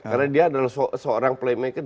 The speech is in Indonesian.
karena dia adalah seorang playmaker